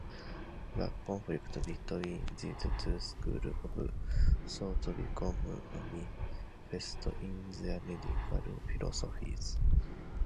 The conflict between these two schools of thought became manifest in their medical philosophies.